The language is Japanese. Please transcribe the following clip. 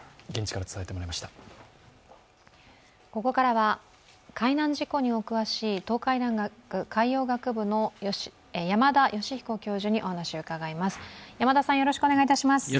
ここからは海難事故にお詳しい東海大学海洋学部の山田吉彦教授にお話を伺います。